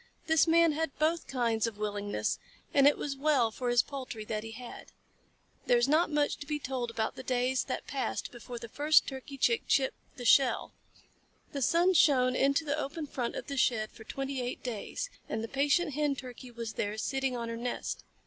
This Man had both kinds of willingness, and it was well for his poultry that he had. There is not much to be told about the days that passed before the first Turkey Chick chipped the shell. The sun shone into the open front of the shed for twenty eight days, and the patient Hen Turkey was there, sitting on her nest.